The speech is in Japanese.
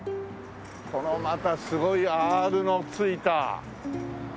このまたすごいアールのついた。